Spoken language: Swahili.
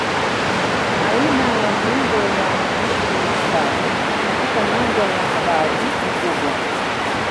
Aina ya miundo ya uandishi wa habari katika nyanja ya habari ni kubwa